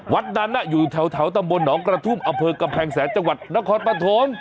วัดนั้นอยู่แถวตำบลหนองกระทุ่มอำเภอกำแพงแสนจังหวัดนครปฐม